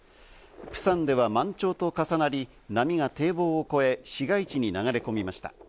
プサンでは満潮と重なり、波が堤防を越え、市街地に流れ込みました。